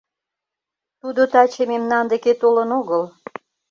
— Тудо таче мемнан деке толын огыл.